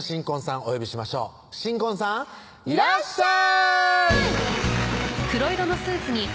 お呼びしましょう新婚さんいらっしゃいうわ